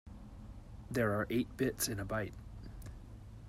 There are eight bits in a byte.